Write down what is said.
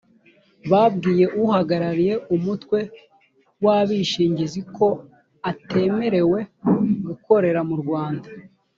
babwiye uhagarariye umutwe w abishingizi ko atemerewe gukorera mu rwanda